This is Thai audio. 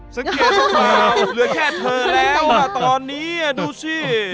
สังเกตจังหวะเหลือแค่เธอแล้วตอนนี้ดูสิ